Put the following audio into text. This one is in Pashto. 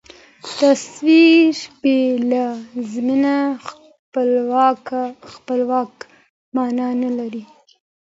تصاویر بې له زمینه خپلواک معنا نه لري.